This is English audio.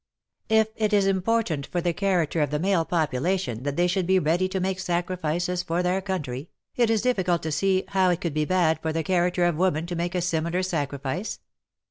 If it is important for the character of the male population that they should be ready to make sacrifices for their country, it is difficult to see how it could be bad for the character of woman to make a similar sacrifice?